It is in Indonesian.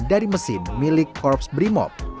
dari mesin milik korps brimob